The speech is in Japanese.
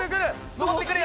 上ってくるよ！